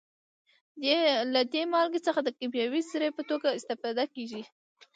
له دې مالګې څخه د کیمیاوي سرې په توګه استفاده کیږي.